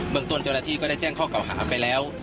ตนเจ้าหน้าที่ก็ได้แจ้งข้อเก่าหาไปแล้ว